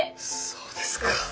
そうですか。